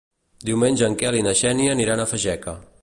Diumenge en Quel i na Xènia aniran a Fageca.